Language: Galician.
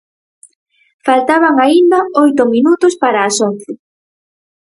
Faltaban aínda oito minutos para as once.